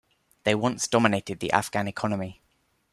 They once dominated the Afghan economy.